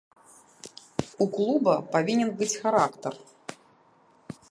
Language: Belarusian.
У клуба павінен быць характар.